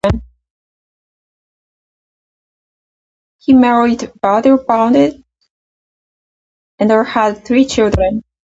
He married Verdell Berndt and had three children.